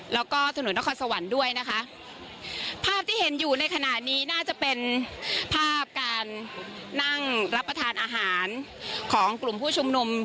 แล้วก็ถนนนครสวรรค์ด้วยนะคะภาพที่เห็นอยู่ในขณะนี้น่าจะเป็นภาพการนั่งรับประทานอาหารของกลุ่มผู้ชุมนุม